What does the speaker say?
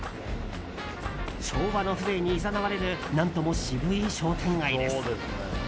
昭和の風情に誘われる何とも渋い商店街です。